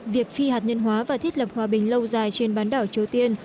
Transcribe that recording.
việc phi hạt nhân hóa và thiết lập hòa bình lâu dài trên bán đảo triều tiên